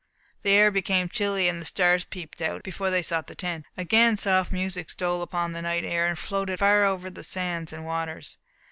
The air became chilly, and the stars peeped out, before they sought the tent. Again soft music stole upon the night air, and floated far over the sands and waters.